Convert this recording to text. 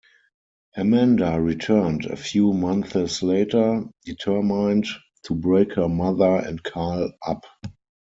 Amanda returned a few months later, determined to break her mother and Carl up.